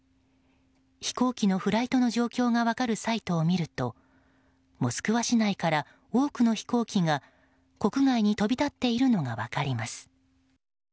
飛行機のフライトの状況が分かるサイトを見るとモスクワ市内から多くの飛行機が国外に飛び立っているのが分かります。